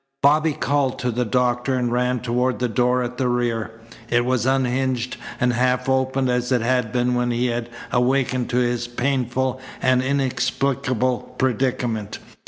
Bobby called to the doctor and ran toward the door at the rear. It was unhinged and half open as it had been when he had awakened to his painful and inexplicable predicament.